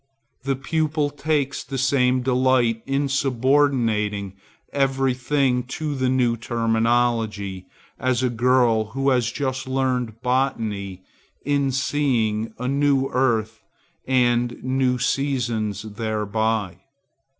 The pupil takes the same delight in subordinating every thing to the new terminology as a girl who has just learned botany in seeing a new earth and new seasons thereby.